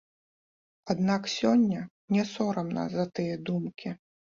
Аднак сёння мне сорамна за тыя думкі.